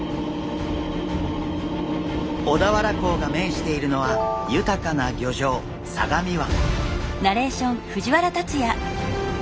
小田原港が面しているのは豊かな漁場相模湾。